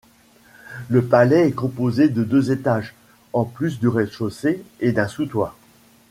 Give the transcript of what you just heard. Le palais est composé de deux étages, en plus du rez-de-chaussée et d'un sous-toit.